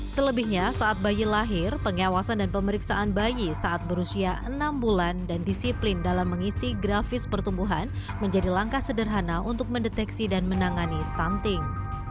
selebihnya saat bayi lahir pengawasan dan pemeriksaan bayi saat berusia enam bulan dan disiplin dalam mengisi grafis pertumbuhan menjadi langkah sederhana untuk mendeteksi dan menangani stunting